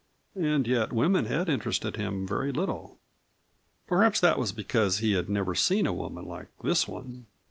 And yet women had interested him very little. Perhaps that was because he had never seen a woman like this one.